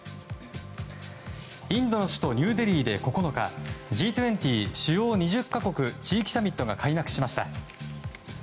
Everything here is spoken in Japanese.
インドの首都ニューデリーで９日Ｇ２０・主要２０か国・地域サミットが開幕しました。